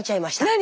何？